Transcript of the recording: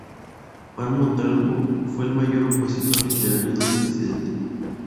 Juan Montalvo fue el mayor opositor literario del presidente.